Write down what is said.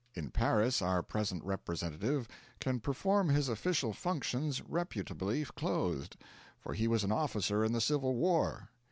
In Paris our present representative can perform his official functions reputably clothed; for he was an officer in the Civil War.